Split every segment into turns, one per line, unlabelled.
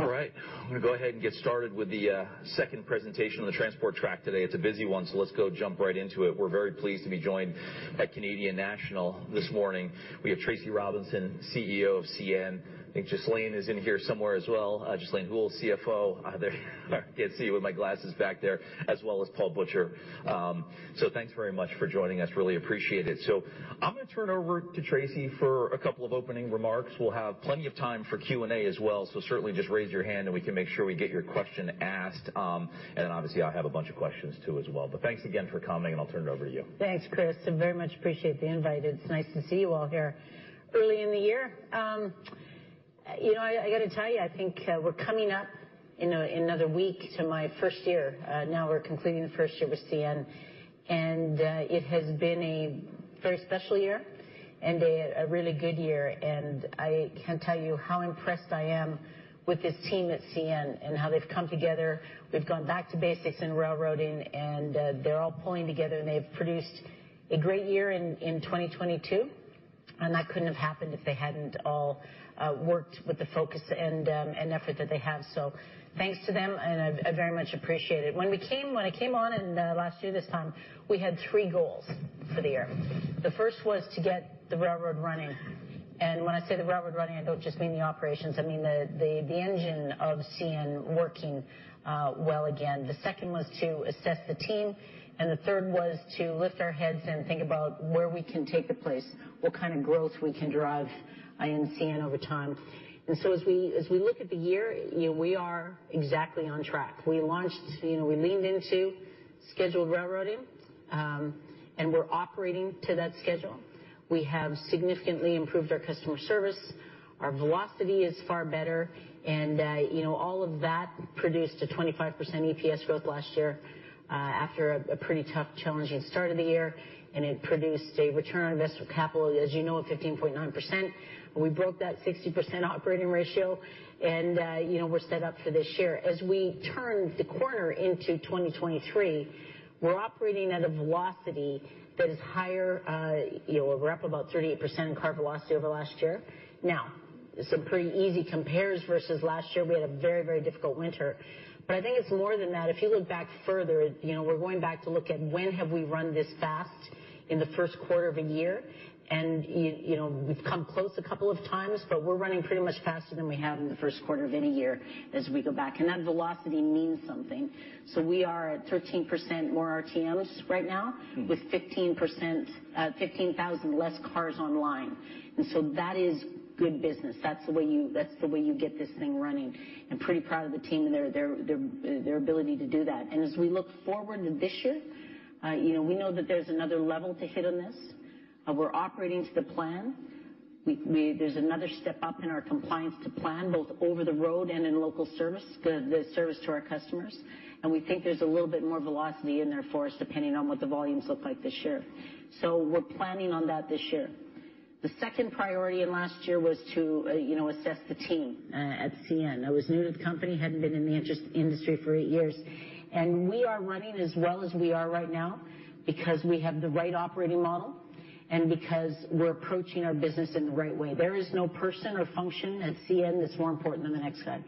All right. I'm gonna go ahead and get started with the second presentation on the transport track today. It's a busy one. Let's go jump right into it. We're very pleased to be joined by Canadian National this morning. We have Tracy Robinson, CEO of CN. I think Ghislain is in here somewhere as well. Ghislain Houle, CFO. There can't see you with my glasses back there, as well as Paul Butcher. Thanks very much for joining us. Really appreciate it. I'm gonna turn it over to Tracy for a couple of opening remarks. We'll have plenty of time for Q&A as well. Certainly just raise your hand and we can make sure we get your question asked. Obviously I'll have a bunch of questions too as well. Thanks again for coming, and I'll turn it over to you.
Thanks, Chris. I very much appreciate the invite. It's nice to see you all here early in the year. You know, I gotta tell you, I think we're coming up in another week to my first year. Now we're concluding the first year with CN, and it has been a very special year and a really good year. I can't tell you how impressed I am with this team at CN and how they've come together. We've gone back to basics in railroading, and they're all pulling together, and they've produced a great year in 2022. That couldn't have happened if they hadn't all worked with the focus and effort that they have. Thanks to them, and I very much appreciate it. When I came on in, last year this time, we had three goals for the year. The first was to get the railroad running. When I say the railroad running, I don't just mean the operations. I mean the engine of CN working, well again. The second was to assess the team, and the third was to lift our heads and think about where we can take the place, what kind of growth we can drive in CN over time. As we look at the year, you know, we are exactly on track. We launched, you know, we leaned into scheduled railroading, and we're operating to that schedule. We have significantly improved our customer service. Our velocity is far better, you know, all of that produced a 25% EPS growth last year, after a pretty tough challenging start of the year. It produced a return on invested capital, as you know, of 15.9%. We broke that 60% operating ratio, you know, we're set up for this year. As we turn the corner into 2023, we're operating at a velocity that is higher. You know, we're up about 38% in car velocity over last year. Now, some pretty easy compares versus last year. We had a very difficult winter, I think it's more than that. If you look back further, you know, we're going back to look at when have we run this fast in the first quarter of a year. You know, we've come close a couple of times, but we're running pretty much faster than we have in the first quarter of any year as we go back, and that velocity means something. We are at 13% more RTMs right now with 15,000 less cars online. That is good business. That's the way you, that's the way you get this thing running. I'm pretty proud of the team and their ability to do that. As we look forward to this year, you know, we know that there's another level to hit on this. We're operating to the plan. There's another step up in our compliance to plan both over the road and in local service, the service to our customers. We think there's a little bit more velocity in there for us, depending on what the volumes look like this year. We're planning on that this year. The second priority in last year was to, you know, assess the team at CN. I was new to the company, hadn't been in the industry for eight years. We are running as well as we are right now because we have the right operating model and because we're approaching our business in the right way. There is no person or function at CN that's more important than the next guy.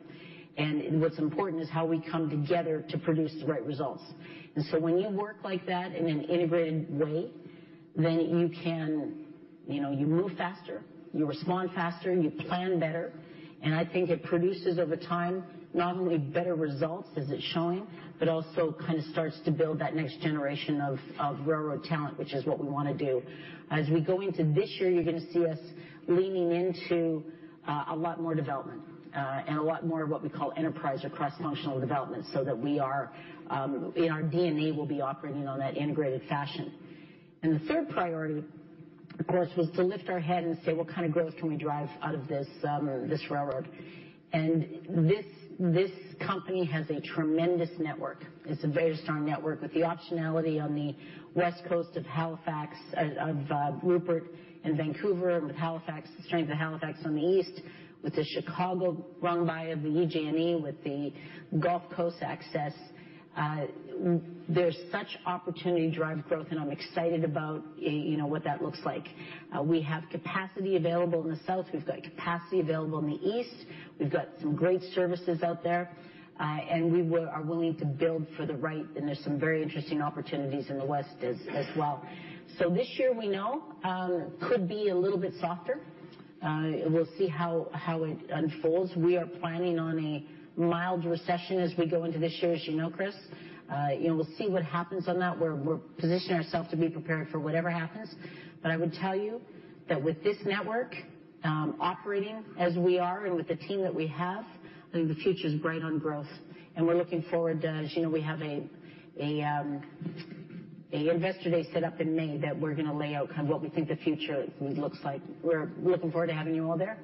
What's important is how we come together to produce the right results. When you work like that in an integrated way, then you can. You know, you move faster, you respond faster, you plan better. I think it produces over time, not only better results as it's showing, but also kind of starts to build that next generation of railroad talent, which is what we wanna do. As we go into this year, you're gonna see us leaning into a lot more development and a lot more of what we call enterprise or cross-functional development, so that we are in our DNA will be operating on that integrated fashion. The third priority, of course, was to lift our head and say, "What kind of growth can we drive out of this railroad?" This company has a tremendous network. It's a very strong network with the optionality on the West Coast of Prince Rupert and Vancouver, with the strength of Halifax on the east, with the Chicago run by the EJ&E, with the Gulf Coast access. There's such opportunity to drive growth, and I'm excited about, you know, what that looks like. We have capacity available in the South. We've got capacity available in the East. We've got some great services out there. We are willing to build for the right, and there's some very interesting opportunities in the West as well. This year we know could be a little bit softer. We'll see how it unfolds. We are planning on a mild recession as we go into this year, as you know, Chris. You know, we'll see what happens on that, where we're positioning ourselves to be prepared for whatever happens. I would tell you that with this network, operating as we are and with the team that we have, I think the future's bright on growth. We're looking forward. As you know, we have a investor day set up in May that we're gonna lay out kind of what we think the future looks like. We're looking forward to having you all there.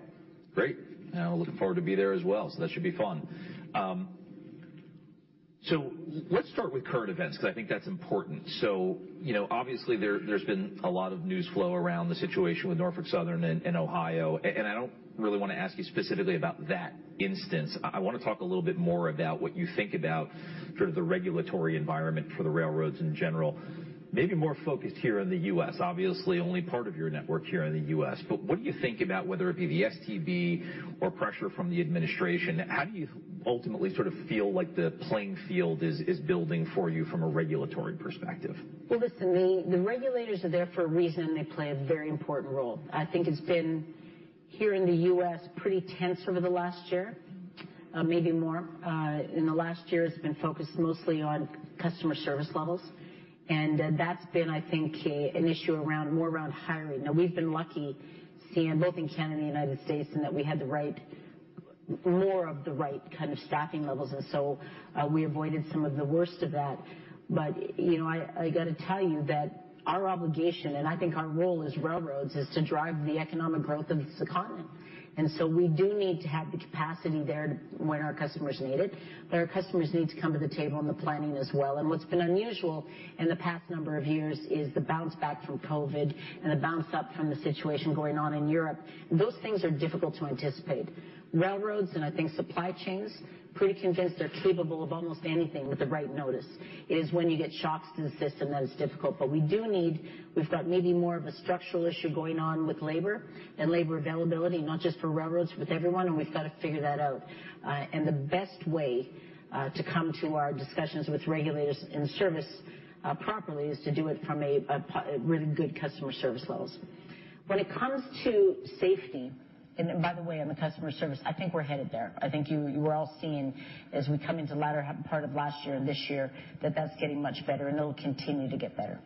Great. Looking forward to be there as well. That should be fun. Let's start with current events because I think that's important. You know, obviously, there's been a lot of news flow around the situation with Norfolk Southern in Ohio. And I don't really wanna ask you specifically about that instance. I wanna talk a little bit more about what you think about sort of the regulatory environment for the railroads in general. Maybe more focused here in the U.S. Obviously, only part of your network here in the U.S. What do you think about whether it be the STB or pressure from the administration? How do you ultimately sort of feel like the playing field is building for you from a regulatory perspective?
Well, listen, the regulators are there for a reason. They play a very important role. I think it's been, here in the U.S., pretty tense over the last year. Maybe more, in the last year has been focused mostly on customer service levels. That's been, I think, an issue around more around hiring. Now we've been lucky seeing both in Canada and United States, in that we had the right more of the right kind of staffing levels. We avoided some of the worst of that. But, you know, I gotta tell you that our obligation, and I think our role as railroads, is to drive the economic growth of this continent. We do need to have the capacity there to when our customers need it. Our customers need to come to the table in the planning as well. What's been unusual in the past number of years is the bounce back from COVID and the bounce up from the situation going on in Europe. Those things are difficult to anticipate. Railroads, and I think supply chains, pretty convinced they're capable of almost anything with the right notice. It is when you get shocks to the system that it's difficult. We've got maybe more of a structural issue going on with labor and labor availability, not just for railroads, with everyone, and we've gotta figure that out. The best way to come to our discussions with regulators in service properly is to do it from a really good customer service levels. When it comes to safety. By the way, on the customer service, I think we're headed there. I think you are all seeing as we come into latter part of last year and this year, that that's getting much better, and it'll continue to get better.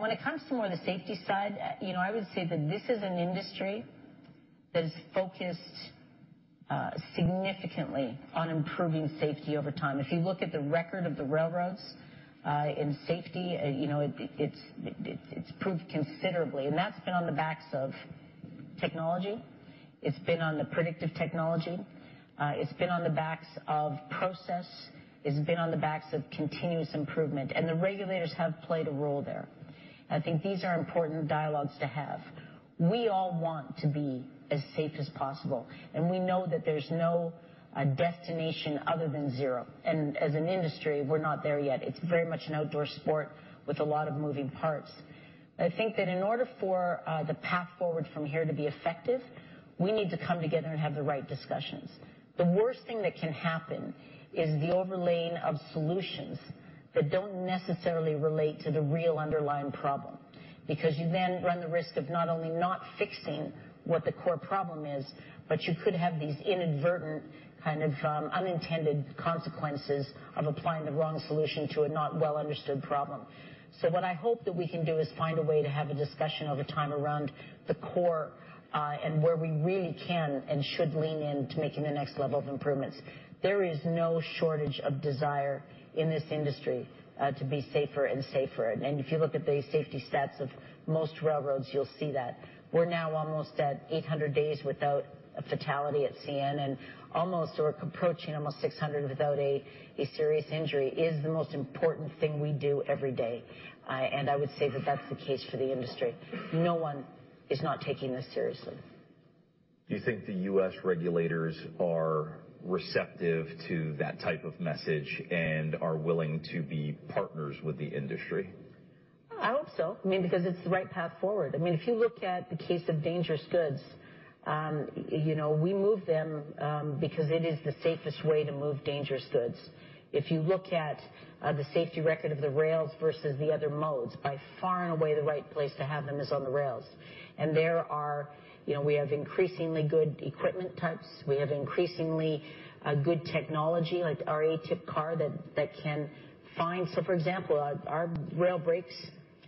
When it comes to more the safety side, you know, I would say that this is an industry that is focused significantly on improving safety over time. If you look at the record of the railroads in safety, you know, it's improved considerably. That's been on the backs of technology. It's been on the predictive technology. It's been on the backs of process. It's been on the backs of continuous improvement. The regulators have played a role there. I think these are important dialogues to have. We all want to be as safe as possible, and we know that there's no destination other than zero. As an industry, we're not there yet. It's very much an outdoor sport with a lot of moving parts. I think that in order for the path forward from here to be effective, we need to come together and have the right discussions. The worst thing that can happen is the overlaying of solutions that don't necessarily relate to the real underlying problem, because you then run the risk of not only not fixing what the core problem is, but you could have these inadvertent kind of unintended consequences of applying the wrong solution to a not well-understood problem. What I hope that we can do is find a way to have a discussion over time around the core, and where we really can and should lean in to making the next level of improvements. There is no shortage of desire in this industry, to be safer and safer. If you look at the safety stats of most railroads, you'll see that. We're now almost at 800 days without a fatality at CN, and we're approaching almost 600 without a serious injury, is the most important thing we do every day. I would say that that's the case for the industry. No one is not taking this seriously.
Do you think the U.S. regulators are receptive to that type of message and are willing to be partners with the industry?
I hope so. I mean, because it's the right path forward. I mean, if you look at the case of dangerous goods, you know, we move them because it is the safest way to move dangerous goods. If you look at the safety record of the rails versus the other modes, by far and away, the right place to have them is on the rails. You know, we have increasingly good equipment types. We have increasingly good technology like our ATIP car that can find. For example, our rail brakes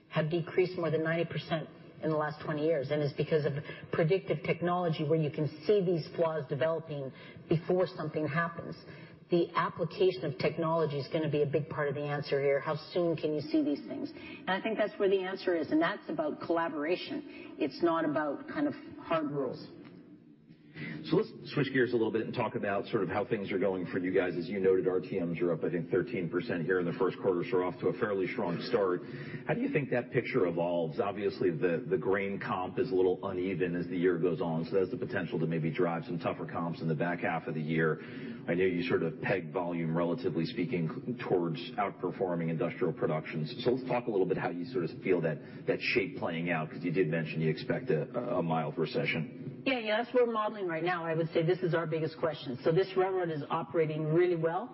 have decreased more than 90% in the last 20 years, and it's because of predictive technology where you can see these flaws developing before something happens. The application of technology is gonna be a big part of the answer here. How soon can you see these things? I think that's where the answer is. That's about collaboration. It's not about kind of hard rules.
Let's switch gears a little bit and talk about sort of how things are going for you guys. As you noted, RTMs are up, I think, 13% here in the first quarter, so you're off to a fairly strong start. How do you think that picture evolves? Obviously, the grain comp is a little uneven as the year goes on, so that has the potential to maybe drive some tougher comps in the back half of the year. I know you sort of pegged volume, relatively speaking, towards outperforming industrial production. Let's talk a little bit how you sort of feel that shape playing out, 'cause you did mention you expect a mild recession.
Yeah, that's what we're modeling right now. I would say this is our biggest question. This railroad is operating really well.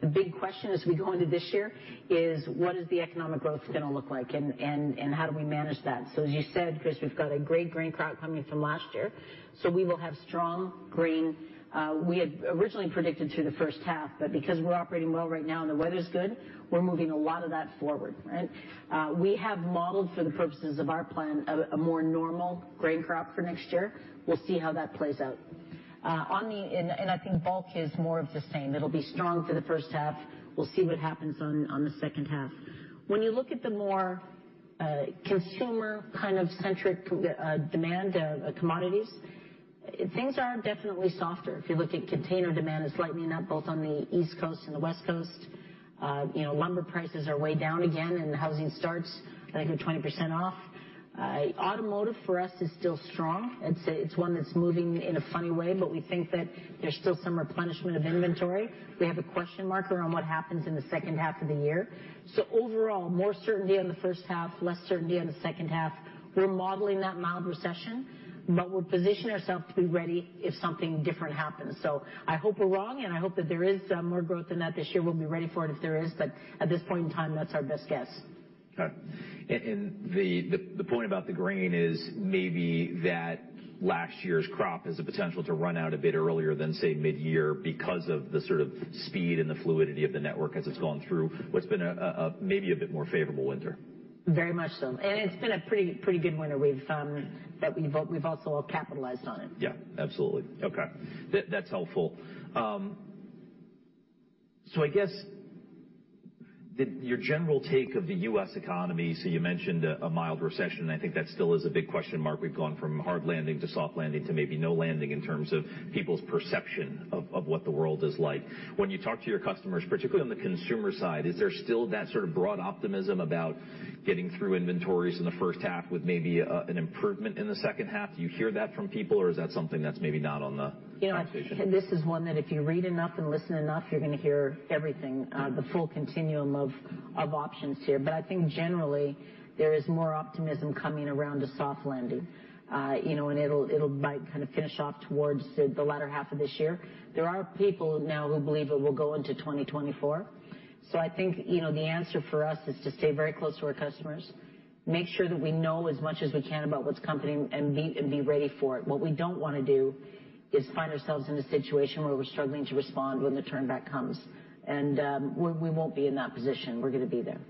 The big question as we go into this year is: What is the economic growth gonna look like, and how do we manage that? As you said, Chris, we've got a great grain crop coming from last year, so we will have strong grain, we had originally predicted through the first half. Because we're operating well right now and the weather's good, we're moving a lot of that forward, right? We have modeled, for the purposes of our plan, a more normal grain crop for next year. We'll see how that plays out. I think bulk is more of the same. It'll be strong for the first half. We'll see what happens on the second half. When you look at the more consumer kind of centric demand of commodities, things are definitely softer. If you look at container demand, it's lightening up both on the East Coast and the West Coast. You know, lumber prices are way down again, and housing starts, I think, are 20% off. Automotive for us is still strong. I'd say it's one that's moving in a funny way, but we think that there's still some replenishment of inventory. We have a question mark around what happens in the second half of the year. Overall, more certainty on the first half, less certainty on the second half. We're modeling that mild recession, but we'll position ourself to be ready if something different happens. I hope we're wrong, and I hope that there is more growth than that this year. We'll be ready for it if there is, but at this point in time, that's our best guess.
Okay. The point about the grain is maybe that last year's crop has the potential to run out a bit earlier than, say, midyear because of the sort of speed and the fluidity of the network as it's gone through what's been maybe a bit more favorable winter.
Very much so. It's been a pretty good winter. We've also capitalized on it.
Yeah, absolutely. Okay. That's helpful. I guess your general take of the U.S. economy, you mentioned a mild recession, and I think that still is a big question mark. We've gone from hard landing to soft landing to maybe no landing in terms of people's perception of what the world is like. When you talk to your customers, particularly on the consumer side, is there still that sort of broad optimism about getting through inventories in the first half with maybe an improvement in the second half? Do you hear that from people, or is that something that's maybe not on the?
You know.
Conversation?
This is one that if you read enough and listen enough, you're gonna hear everything, the full continuum of options here. I think generally there is more optimism coming around a soft landing. You know, and it'll might kind of finish off towards the latter half of this year. There are people now who believe it will go into 2024. I think, you know, the answer for us is to stay very close to our customers, make sure that we know as much as we can about what's coming, and be ready for it. What we don't wanna do is find ourselves in a situation where we're struggling to respond when the turn back comes. We won't be in that position. We're gonna be there.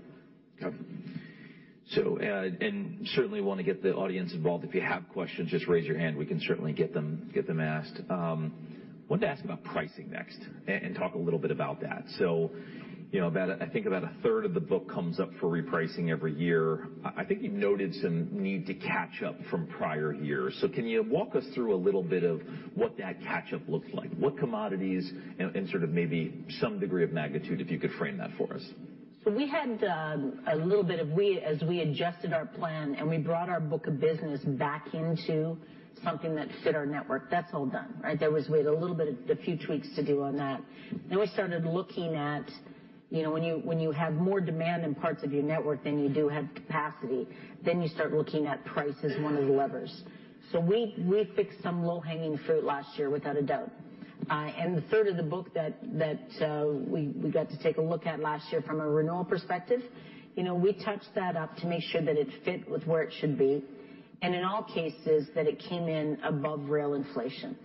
Okay. And certainly wanna get the audience involved. If you have questions, just raise your hand. We can certainly get them asked. Wanted to ask about pricing next and talk a little bit about that. You know, about I think about a third of the book comes up for repricing every year. I think you've noted some need to catch up from prior years. Can you walk us through a little bit of what that catch up looks like? What commodities and sort of maybe some degree of magnitude, if you could frame that for us.
We had a little bit of as we adjusted our plan and we brought our book of business back into something that fit our network. That's all done, right? We had a little bit of a few tweaks to do on that. We started looking at, you know, when you, when you have more demand in parts of your network than you do have capacity, then you start looking at price as one of the levers. We picked some low-hanging fruit last year, without a doubt. The third of the book that we got to take a look at last year from a renewal perspective, you know, we touched that up to make sure that it fit with where it should be, and in all cases, that it came in above rail inflation.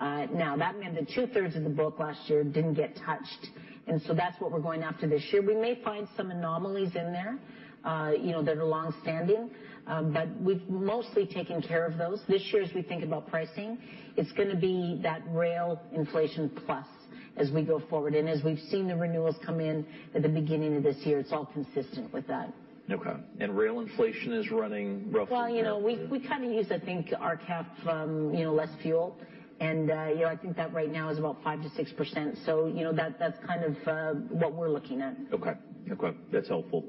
Now, that meant that two-thirds of the book last year didn't get touched, and so that's what we're going after this year. We may find some anomalies in there, you know, that are longstanding, but we've mostly taken care of those. This year, as we think about pricing, it's gonna be that rail inflation plus as we go forward. As we've seen the renewals come in at the beginning of this year, it's all consistent with that.
Okay. Rail inflation is running roughly.
You know, we kind of use, I think, our CapEx from, you know, less fuel, and, you know, I think that right now is about 5%-6%, so, you know, that's kind of what we're looking at.
Okay. Okay. That's helpful.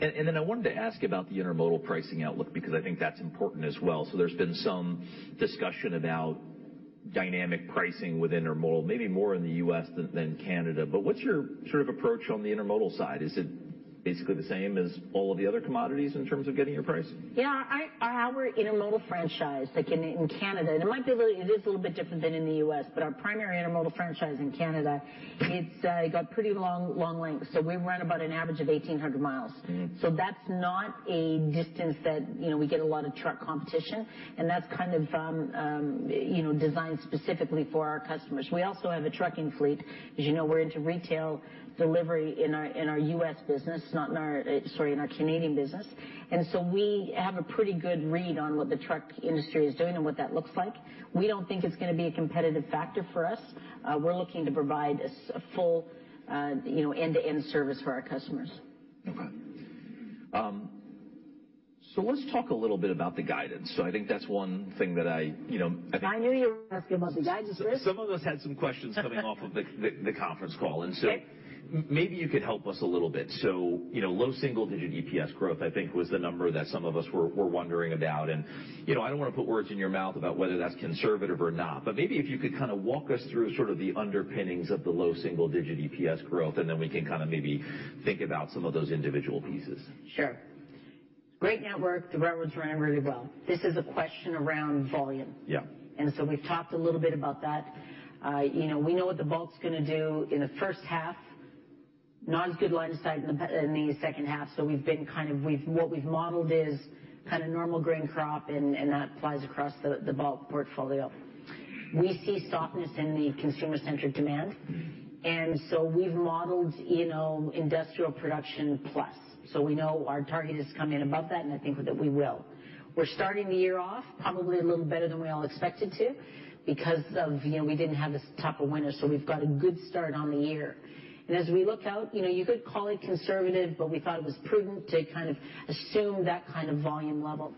Then I wanted to ask about the intermodal pricing outlook because I think that's important as well. There's been some discussion about dynamic pricing with intermodal, maybe more in the U.S. than Canada. What's your sort of approach on the intermodal side? Is it basically the same as all of the other commodities in terms of getting your pricing?
Yeah. Our intermodal franchise, like in Canada, and it might be a little bit different than in the US, but our primary intermodal franchise in Canada, it's got pretty long length. We run about an average of 1,800 miles.
Mm-hmm.
That's not a distance that, you know, we get a lot of truck competition, and that's kind of from, you know, designed specifically for our customers. We also have a trucking fleet. As you know, we're into retail delivery in our, in our U.S. business, not in our, sorry, in our Canadian business. We have a pretty good read on what the truck industry is doing and what that looks like. We don't think it's gonna be a competitive factor for us. We're looking to provide a full, you know, end-to-end service for our customers.
Okay. Let's talk a little bit about the guidance. I think that's one thing that I, you know.
I knew you were gonna ask about the guidance, Chris.
Some of us had some questions coming off of the conference call.
Okay.
Maybe you could help us a little bit. You know, low single-digit EPS growth, I think was the number that some of us were wondering about. You know, I don't wanna put words in your mouth about whether that's conservative or not, but maybe if you could kinda walk us through sort of the underpinnings of the low single-digit EPS growth, and then we can kinda maybe think about some of those individual pieces.
Sure. Great network. The railroad's running really well. This is a question around volume.
Yeah.
We've talked a little bit about that. You know, we know what the bulk's gonna do in the first half, not as good line of sight in the second half, so we've been kind of what we've modeled is kind of normal grain crop and that applies across the bulk portfolio. We see softness in the consumer-centric demand.
Mm-hmm.
We've modeled, you know, industrial production plus. We know our target is to come in above that, and I think that we will. We're starting the year off probably a little better than we all expected to because of, you know, we didn't have as tough a winter, so we've got a good start on the year. As we look out, you know, you could call it conservative, but we thought it was prudent to kind of assume that kind of volume level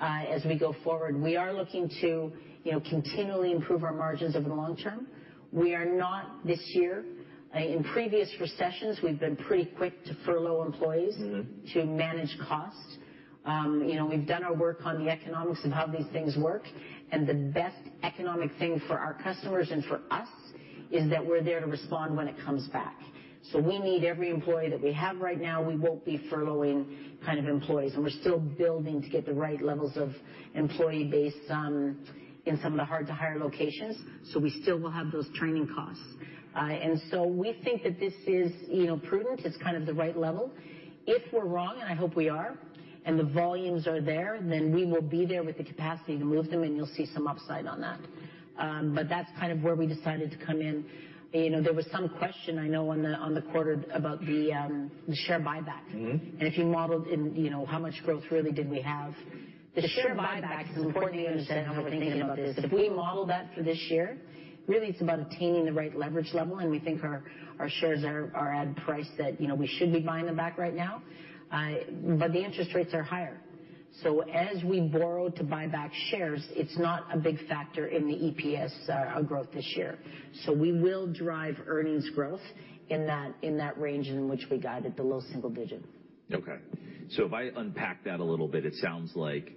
as we go forward. We are looking to, you know, continually improve our margins over the long term. We are not this year. In previous recessions, we've been pretty quick to furlough employees.
Mm-hmm.
To manage cost. you know, we've done our work on the economics of how these things work, and the best economic thing for our customers and for us is that we're there to respond when it comes back. We need every employee that we have right now. We won't be furloughing kind of employees, and we're still building to get the right levels of employee base in some of the hard to hire locations. We still will have those training costs. We think that this is, you know, prudent. It's kind of the right level. If we're wrong, and I hope we are, and the volumes are there, then we will be there with the capacity to move them, and you'll see some upside on that. That's kind of where we decided to come in. You know, there was some question, I know, on the, on the quarter about the share buyback.
Mm-hmm.
If you modeled in, you know, how much growth really did we have? The share buyback is important that you understand how we're thinking about this. If we model that for this year, really it's about attaining the right leverage level, and we think our shares are at a price that, you know, we should be buying them back right now. The interest rates are higher. As we borrow to buy back shares, it's not a big factor in the EPS growth this year. We will drive earnings growth in that range in which we guided the low single digit.
If I unpack that a little bit, it sounds like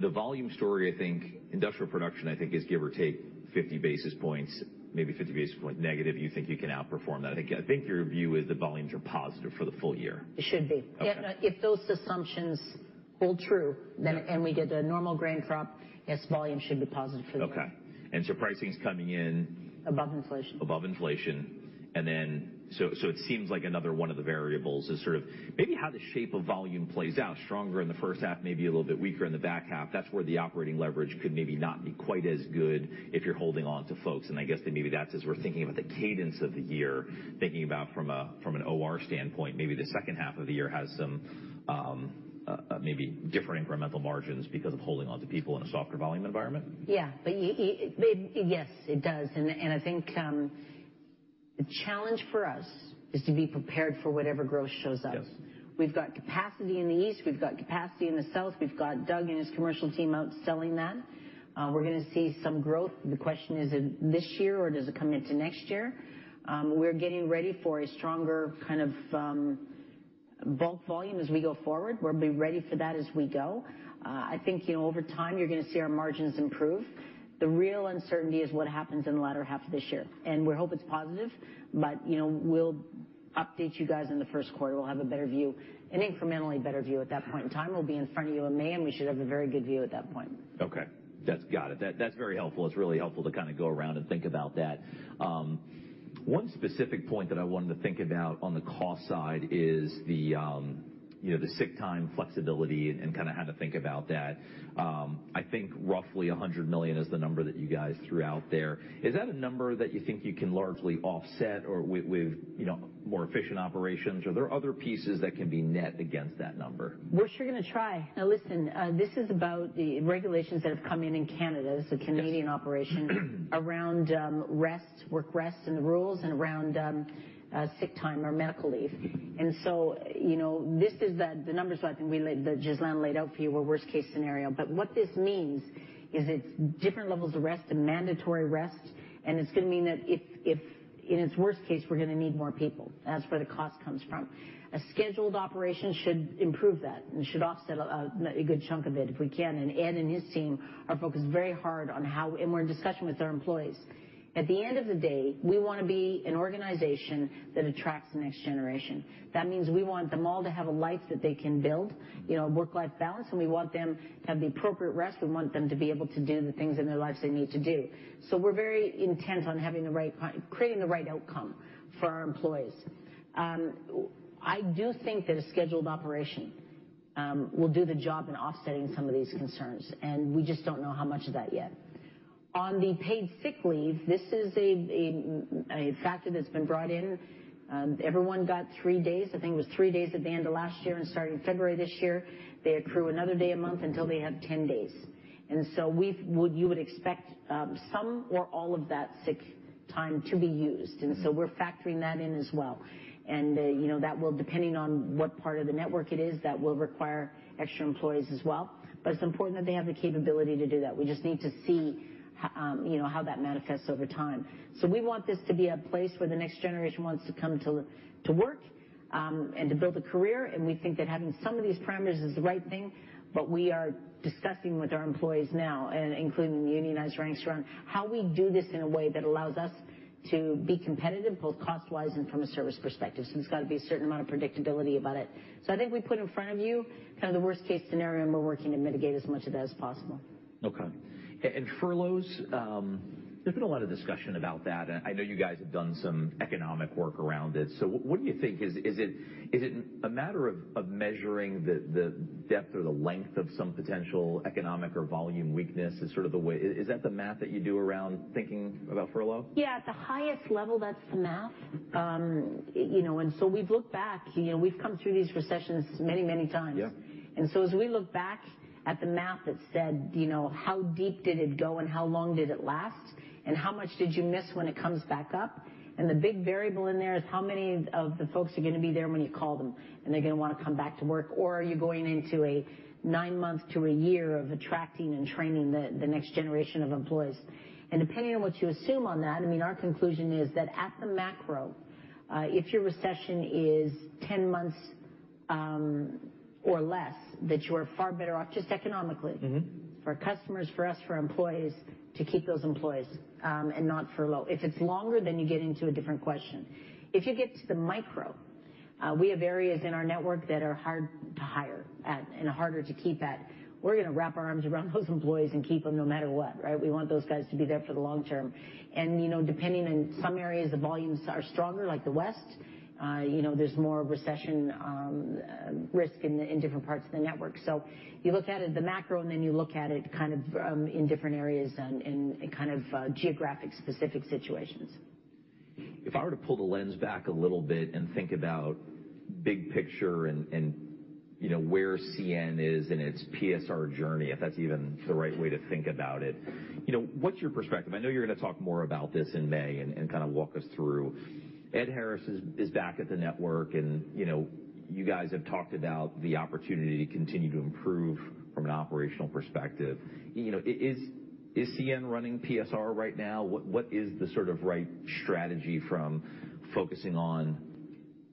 the volume story, I think industrial production, I think is give or take 50 basis points, maybe 50 basis point negative, you think you can outperform that. I think, I think your view is the volumes are positive for the full year.
It should be.
Okay.
If those assumptions hold true.
Yeah.
We get a normal grain crop, yes, volume should be positive for the year.
Okay. Pricing's coming in?
Above inflation.
Above inflation. It seems like another one of the variables is how the shape of volume plays out, stronger in the first half, maybe weaker in the back half. That's where the operating leverage could maybe not be quite as good if you're holding on to folks. I guess that maybe that's as we're thinking about the cadence of the year, thinking about from an OR standpoint, maybe the second half of the year has some maybe different incremental margins because of holding onto people in a softer volume environment.
Yeah. Yes, it does. I think, the challenge for us is to be prepared for whatever growth shows up.
Yes.
We've got capacity in the East, we've got capacity in the South. We've got Doug and his commercial team out selling that. We're gonna see some growth. The question, is it this year or does it come into next year? We're getting ready for a stronger kind of bulk volume as we go forward. We'll be ready for that as we go. I think, you know, over time, you're gonna see our margins improve. The real uncertainty is what happens in the latter half of this year. We hope it's positive, but, you know, we'll update you guys in the first quarter. We'll have a better view, an incrementally better view at that point in time. We'll be in front of you in May, and we should have a very good view at that point.
Okay. Got it. That, that's very helpful. It's really helpful to kinda go around and think about that. One specific point that I wanted to think about on the cost side is the, you know, the sick time flexibility and kinda how to think about that. I think roughly 100 million is the number that you guys threw out there. Is that a number that you think you can largely offset or with, you know, more efficient operations? Are there other pieces that can be net against that number?
We're sure gonna try. Now, listen, this is about the regulations that have come in in Canada. This is a Canadian operation.
Yes.
Around, rest, work rest and the rules and around, sick time or medical leave. So, you know, this is the numbers that I think that Ghislain laid out for you were worst case scenario. What this means is it's different levels of rest and mandatory rest, and it's gonna mean that if in its worst case, we're gonna need more people. That's where the cost comes from. A scheduled operation should improve that and should offset a good chunk of it if we can. Ed and his team are focused very hard on how. We're in discussion with our employees. At the end of the day, we wanna be an organization that attracts the next generation. That means we want them all to have a life that they can build, you know, work-life balance, and we want them to have the appropriate rest. We want them to be able to do the things in their lives they need to do. We're very intent on creating the right outcome for our employees. I do think that a scheduled operation will do the job in offsetting some of these concerns, and we just don't know how much of that yet. On the paid sick leave, this is a factor that's been brought in. Everyone got 3 days. I think it was 3 days at the end of last year and starting February this year. They accrue another day a month until they have 10 days. You would expect some or all of that sick time to be used. We're factoring that in as well. You know, that will depending on what part of the network it is, that will require extra employees as well. It's important that they have the capability to do that. We just need to see, you know, how that manifests over time. We want this to be a place where the next generation wants to come to work and to build a career. We think that having some of these parameters is the right thing, but we are discussing with our employees now, and including the unionized ranks around how we do this in a way that allows us to be competitive, both cost-wise and from a service perspective. There's got to be a certain amount of predictability about it. I think we put in front of you kind of the worst case scenario, and we're working to mitigate as much of that as possible.
Okay. Furloughs, there's been a lot of discussion about that, and I know you guys have done some economic work around it. What do you think is it a matter of measuring the depth or the length of some potential economic or volume weakness? Is that the math that you do around thinking about furlough?
Yeah. At the highest level, that's the math. You know, we've looked back. You know, we've come through these recessions many, many times.
Yeah.
As we look back at the math that said, you know, how deep did it go and how long did it last, and how much did you miss when it comes back up? The big variable in there is how many of the folks are gonna be there when you call them and they're gonna wanna come back to work, or are you going into a nine months to a year of attracting and training the next generation of employees. Depending on what you assume on that, I mean, our conclusion is that at the macro, if your recession is 10 months or less, that you are far better off just economically.
Mm-hmm.
For our customers, for us, for employees, to keep those employees, and not furlough. If it's longer, then you get into a different question. If you get to the micro, we have areas in our network that are hard to hire at and harder to keep at. We're gonna wrap our arms around those employees and keep them no matter what, right? We want those guys to be there for the long term. You know, depending on some areas, the volumes are stronger, like the West, you know, there's more recession risk in different parts of the network. You look at it the macro, then you look at it kind of in different areas and in kind of geographic specific situations.
If I were to pull the lens back a little bit and think about big picture and you know, where CN is in its PSR journey, if that's even the right way to think about it, you know, what's your perspective? I know you're gonna talk more about this in May and kinda walk us through. Ed Harris is back at the network and, you know, you guys have talked about the opportunity to continue to improve from an operational perspective. You know, is CN running PSR right now? What is the sort of right strategy from focusing on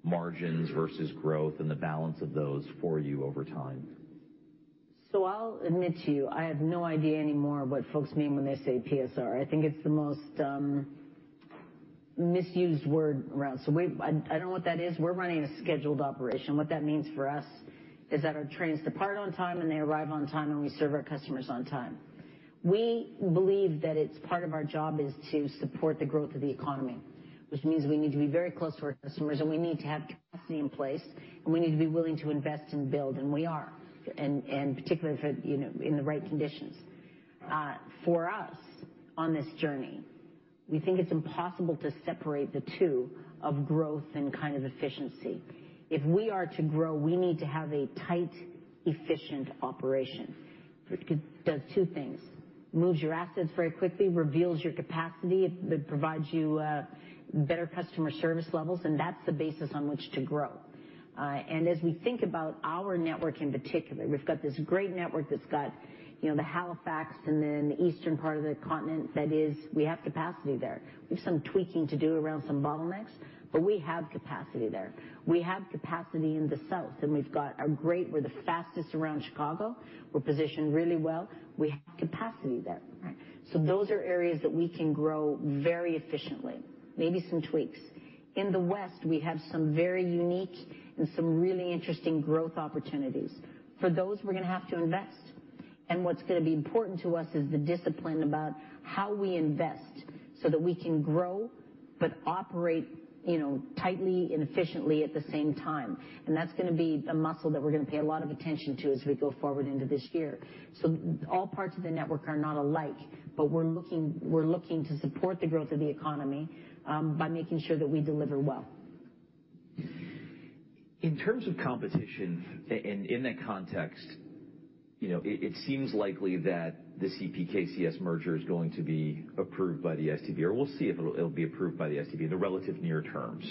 margins versus growth and the balance of those for you over time?
I'll admit to you, I have no idea anymore what folks mean when they say PSR. I think it's the most misused word around. I don't know what that is. We're running a scheduled operation. What that means for us is that our trains depart on time, and they arrive on time, and we serve our customers on time. We believe that it's part of our job is to support the growth of the economy, which means we need to be very close to our customers, and we need to have capacity in place, and we need to be willing to invest and build, and we are, and particularly for, you know, in the right conditions. For us on this journey, we think it's impossible to separate the two of growth and kind of efficiency. If we are to grow, we need to have a tight, efficient operation. It does two things: moves your assets very quickly, reveals your capacity, it provides you better customer service levels, and that's the basis on which to grow. As we think about our network in particular, we've got this great network that's got, you know, the Halifax and then the eastern part of the continent, that is, we have capacity there. We have some tweaking to do around some bottlenecks, but we have capacity there. We have capacity in the south, and we've got a great we're the fastest around Chicago. We're positioned really well. We have capacity there. Those are areas that we can grow very efficiently. Maybe some tweaks. In the West, we have some very unique and some really interesting growth opportunities. For those, we're gonna have to invest. What's gonna be important to us is the discipline about how we invest so that we can grow but operate, you know, tightly and efficiently at the same time. That's gonna be a muscle that we're gonna pay a lot of attention to as we go forward into this year. All parts of the network are not alike, but we're looking to support the growth of the economy by making sure that we deliver well.
In terms of competition, and in that context, you know, it seems likely that the CPKC merger is going to be approved by the STB, or we'll see if it'll be approved by the STB in the relative near term.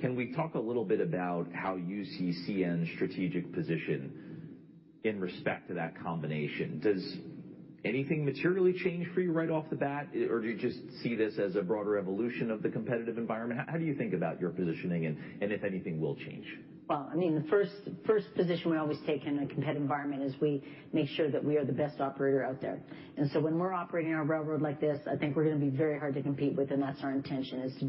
Can we talk a little bit about how you see CN's strategic position in respect to that combination? Does anything materially change for you right off the bat, or do you just see this as a broader evolution of the competitive environment? How do you think about your positioning and if anything will change?
Well, I mean, the first position we always take in a competitive environment is we make sure that we are the best operator out there. So when we're operating our railroad like this, I think we're gonna be very hard to compete with, and that's our intention, is to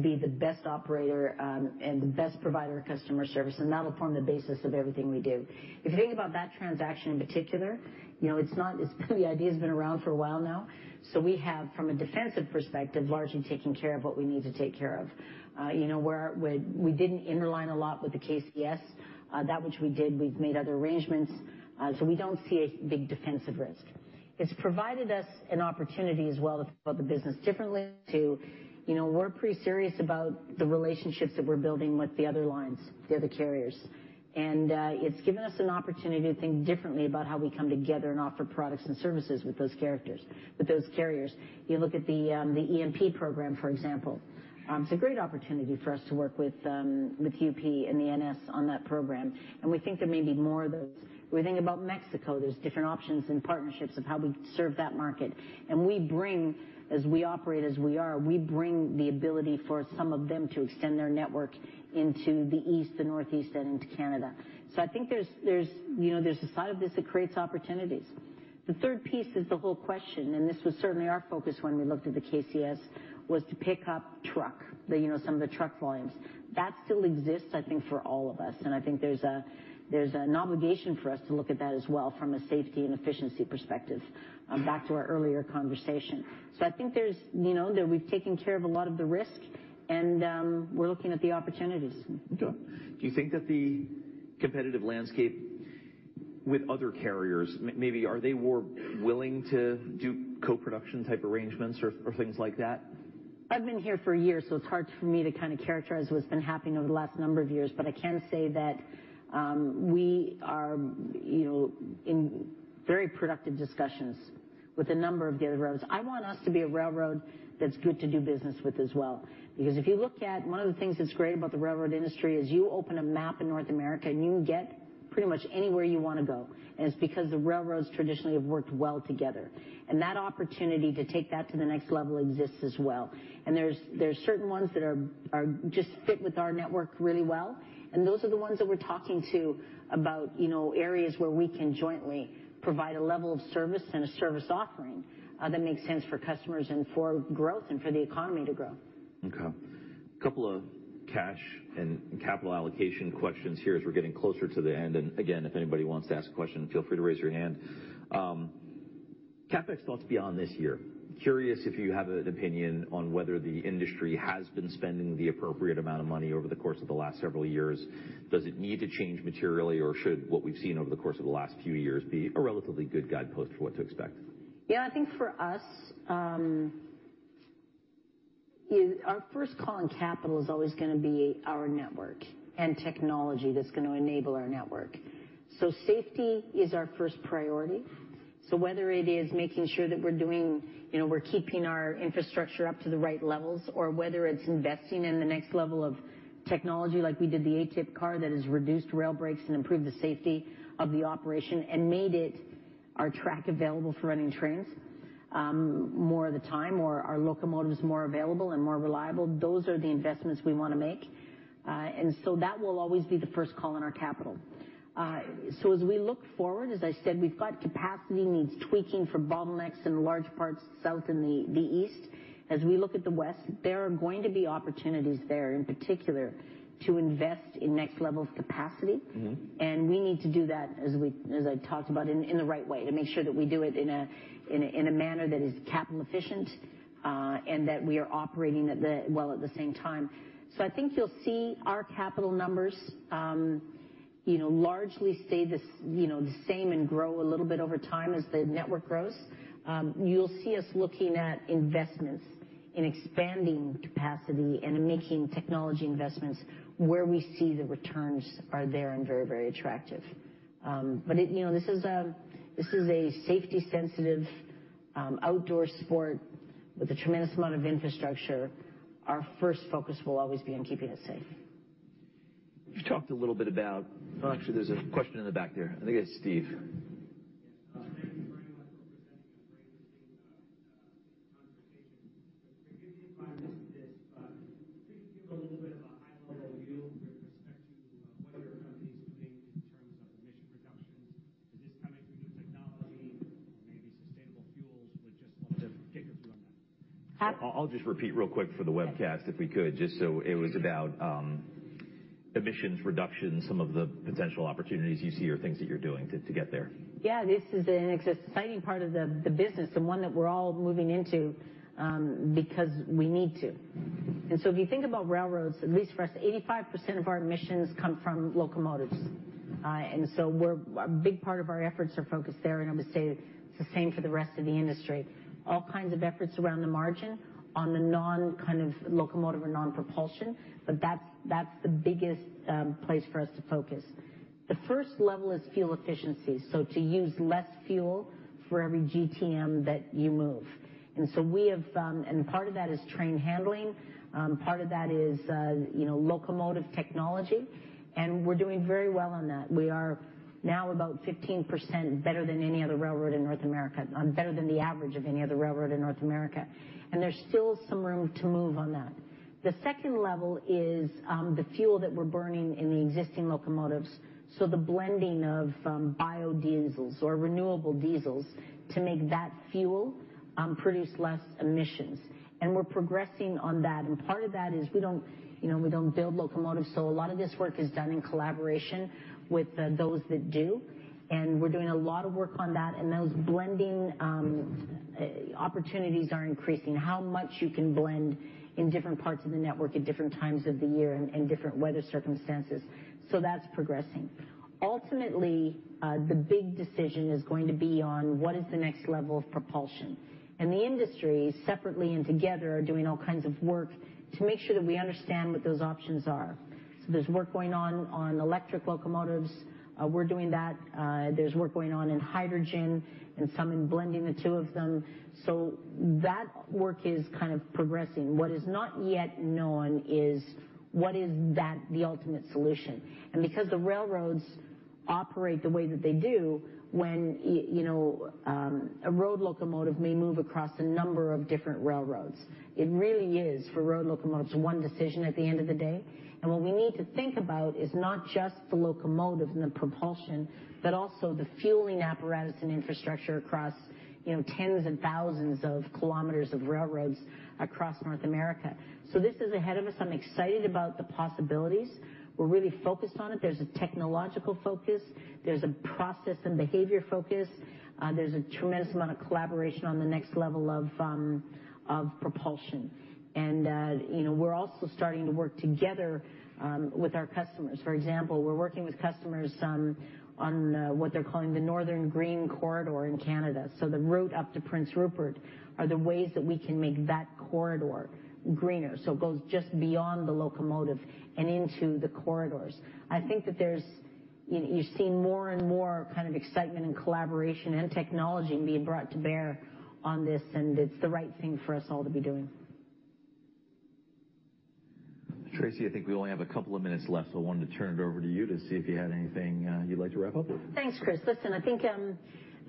be the best operator, and the best provider of customer service, and that'll form the basis of everything we do. If you think about that transaction in particular, you know, it's the idea's been around for a while now. We have, from a defensive perspective, largely taken care of what we need to take care of. You know, where we didn't interline a lot with the KCS, that which we did, we've made other arrangements, we don't see a big defensive risk. It's provided us an opportunity as well to build the business differently to, you know, we're pretty serious about the relationships that we're building with the other lines, the other carriers. It's given us an opportunity to think differently about how we come together and offer products and services with those carriers. You look at the EMP program, for example. It's a great opportunity for us to work with UP and the NS on that program, and we think there may be more of those. We think about Mexico, there's different options and partnerships of how we serve that market. We bring, as we operate as we are, we bring the ability for some of them to extend their network into the East and Northeast and into Canada. I think there's, you know, there's a side of this that creates opportunities. The third piece is the whole question, and this was certainly our focus when we looked at the KCS, was to pick up truck, the, you know, some of the truck volumes. That still exists, I think, for all of us, and I think there's a, there's an obligation for us to look at that as well from a safety and efficiency perspective, back to our earlier conversation. I think there's, you know, that we've taken care of a lot of the risk, and we're looking at the opportunities.
Do you think that the competitive landscape with other carriers, maybe are they more willing to do co-production type arrangements or things like that?
I've been here for years, it's hard for me to kinda characterize what's been happening over the last number of years, I can say that, you know, we are in very productive discussions with a number of the other railroads. I want us to be a railroad that's good to do business with as well. If you look at one of the things that's great about the railroad industry is you open a map in North America and you get pretty much anywhere you wanna go. It's because the railroads traditionally have worked well together. That opportunity to take that to the next level exists as well. There's certain ones that are just fit with our network really well, and those are the ones that we're talking to about, you know, areas where we can jointly provide a level of service and a service offering that makes sense for customers and for growth and for the economy to grow.
Okay. Couple of cash and capital allocation questions here as we're getting closer to the end. Again, if anybody wants to ask a question, feel free to raise your hand. CapEx thoughts beyond this year. Curious if you have an opinion on whether the industry has been spending the appropriate amount of money over the course of the last several years. Does it need to change materially, or should what we've seen over the course of the last few years be a relatively good guidepost for what to expect?
Yeah, I think for us, our first call on capital is always gonna be our network and technology that's gonna enable our network. Safety is our first priority. Whether it is making sure that we're doing, you know, we're keeping our infrastructure up to the right levels or whether it's investing in the next level of technology, like we did the ATIP car that has reduced rail brakes and improved the safety of the operation and made it our track available for running trains, more of the time, or our locomotives more available and more reliable, those are the investments we wanna make. That will always be the first call on our capital. As we look forward, as I said, we've got capacity needs tweaking for bottlenecks in large parts south and the east. As we look at the west, there are going to be opportunities there, in particular, to invest in next level of capacity.
Mm-hmm.
We need to do that as I talked about in the right way to make sure that we do it in a, in a, in a manner that is capital efficient, and that we are operating well at the same time. I think you'll see our capital numbers, you know, largely stay the same and grow a little bit over time as the network grows. You'll see us looking at investments in expanding capacity and in making technology investments where we see the returns are there and very, very attractive. It, you know, this is a safety sensitive, outdoor sport with a tremendous amount of infrastructure. Our first focus will always be on keeping it safe.
You've talked a little bit about... Oh, actually, there's a question in the back there. I think it's Steve.
Yes. Thank you very much for presenting a very interesting conversation. Forgive me if I missed this, but can you give a little bit of a high-level view with respect to what your company's doing in terms of emission reductions? Is this coming through new technology or maybe sustainable fuels? Would just love to get your view on that.
How-
I'll just repeat real quick for the webcast, if we could. Just so it was about emissions reduction, some of the potential opportunities you see or things that you're doing to get there.
Yeah. This is an exciting part of the business and one that we're all moving into, because we need to. If you think about railroads, at least for us, 85% of our emissions come from locomotives. A big part of our efforts are focused there, and I would say it's the same for the rest of the industry. All kinds of efforts around the margin on the non-kind of locomotive or non-propulsion, but that's the biggest place for us to focus. The first level is fuel efficiency, so to use less fuel for every GTM that you move. We have, and part of that is train handling. Part of that is, you know, locomotive technology, and we're doing very well on that. We are now about 15% better than any other railroad in North America, better than the average of any other railroad in North America. There's still some room to move on that. The second level is the fuel that we're burning in the existing locomotives, so the blending of biodiesels or renewable diesels to make that fuel produce less emissions. We're progressing on that, and part of that is we don't, you know, we don't build locomotives, so a lot of this work is done in collaboration with those that do. We're doing a lot of work on that, and those blending opportunities are increasing. How much you can blend in different parts of the network at different times of the year and different weather circumstances. That's progressing. Ultimately, the big decision is going to be on what is the next level of propulsion. The industry, separately and together, are doing all kinds of work to make sure that we understand what those options are. There's work going on on electric locomotives. We're doing that. There's work going on in hydrogen and some in blending the two of them. That work is kind of progressing. What is not yet known is what is that the ultimate solution? Because the railroads operate the way that they do, when you know, a road locomotive may move across a number of different railroads, it really is, for road locomotives, one decision at the end of the day. What we need to think about is not just the locomotive and the propulsion, but also the fueling apparatus and infrastructure across, you know, tens and thousands of km of railroads across North America. This is ahead of us. I'm excited about the possibilities. We're really focused on it. There's a technological focus. There's a process and behavior focus. There's a tremendous amount of collaboration on the next level of propulsion. You know, we're also starting to work together with our customers. For example, we're working with customers on what they're calling the Northern Green Corridor in Canada. The route up to Prince Rupert are the ways that we can make that corridor greener. It goes just beyond the locomotive and into the corridors. I think that there's, you see more and more kind of excitement and collaboration and technology being brought to bear on this. It's the right thing for us all to be doing.
Tracy, I think we only have a couple of minutes left, so I wanted to turn it over to you to see if you had anything, you'd like to wrap up with?
Thanks, Chris. Listen, I think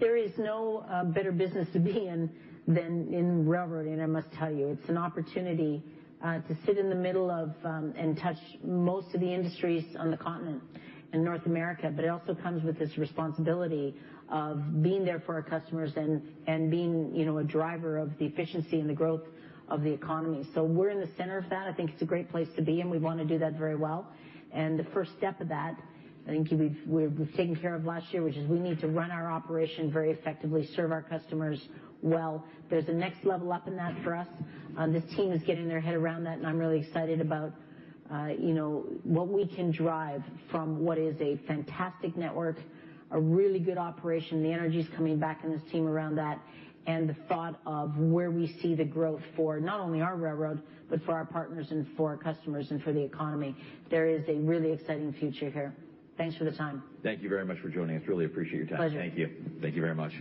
there is no better business to be in than in railroading. I must tell you, it's an opportunity to sit in the middle of and touch most of the industries on the continent in North America. It also comes with this responsibility of being there for our customers and being, you know, a driver of the efficiency and the growth of the economy. We're in the center of that. I think it's a great place to be, and we wanna do that very well. The first step of that, I think we've taken care of last year, which is we need to run our operation very effectively, serve our customers well. There's a next level up in that for us. This team is getting their head around that, and I'm really excited about, you know, what we can drive from what is a fantastic network, a really good operation. The energy's coming back in this team around that and the thought of where we see the growth for not only our railroad, but for our partners and for our customers and for the economy. There is a really exciting future here. Thanks for the time.
Thank you very much for joining us. Really appreciate your time.
Pleasure.
Thank you. Thank you very much.